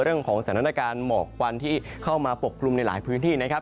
เรื่องของสถานการณ์หมอกควันที่เข้ามาปกคลุมในหลายพื้นที่นะครับ